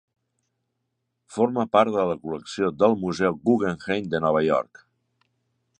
Forma part de la col·lecció del Museu Guggenheim de Nova York.